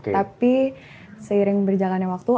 tapi seiring berjalannya waktu